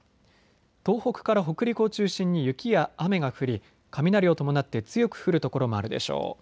東北から北陸を中心に雪や雨が降り雷を伴って強く降る所もあるでしょう。